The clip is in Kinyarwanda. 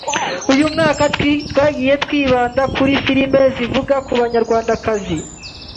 Uyu mwaka twagiye twibanda kuri filimi zivuga ku banyarwandakazi